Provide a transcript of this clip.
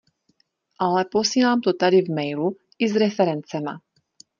Ale posílám to tady v mailu i s referencema.